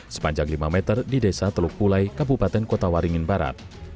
sepanjang lima meter di desa teluk pulai kabupaten kota waringin barat